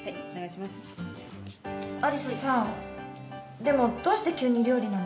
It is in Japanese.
でもどうして急に料理なんて？